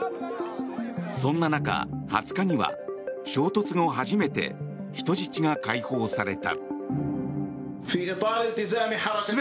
そんな中、２０日は衝突後初めて人質が解放された。